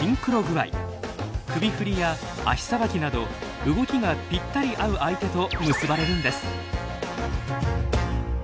首振りや足さばきなど動きがぴったり合う相手と結ばれるんです。